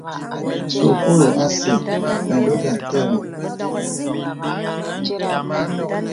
Sūkūlu asə mə dògà àtərəŋ.